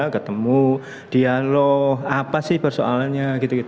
ketemu dialog apa sih persoalannya